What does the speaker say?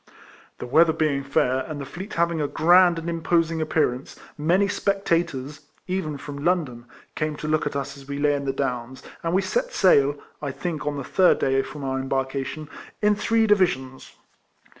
The weather being fair, and the fleet having a grand and imposing appearance, many spectators (even from London) came to look at us as we lay in the Downs, and we set sail (I think on the third day from our embarkation) in three divisions.